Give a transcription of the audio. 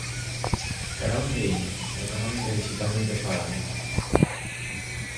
Cara a onde imos, económica e dixitalmente falando?